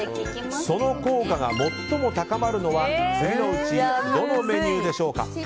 その効果が最も高まるのは次のうちどのメニューでしょうか。